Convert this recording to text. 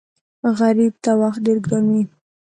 غریب ته وخت ډېر ګران وي